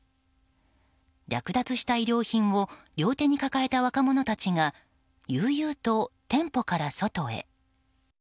略奪した衣料品を両手に抱えた若者たちが悠々と店舗から外へ。